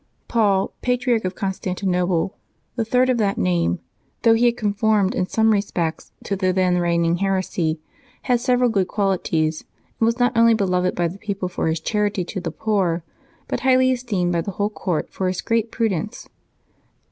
Paul, Patriarch of Constantinople, the third of that name, though he had. conformed in some respects to the then reigning heresy, had several good qualities, and was not only beloved by the people for his charity to the poor, but highly esteemed by the whole court for his great prudence.